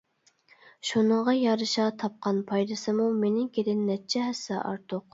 شۇنىڭغا يارىشا تاپقان پايدىسىمۇ مېنىڭكىدىن نەچچە ھەسسە ئارتۇق.